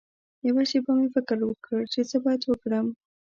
یوه شېبه مې فکر وکړ چې څه باید وکړم.